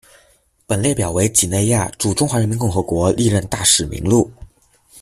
本列表为几内亚驻中华人民共和国历任大使名录。